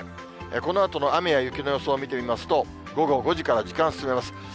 このあとの雨や雪の予想を見てみますと、午後５時から時間を進めます。